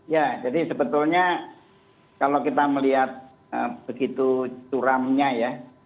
ya jadi sebetulnya kalau kita melihat begitu curamnya ya